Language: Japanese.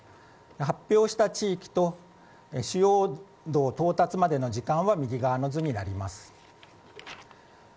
発表した地域と主要度到達までの時間は右の図になります。